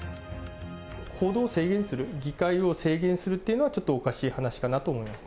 行動を制限する、議会を制限するっていうのは、ちょっとおかしい話かなと思います。